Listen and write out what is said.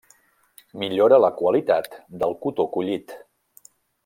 Millora la qualitat del cotó collit.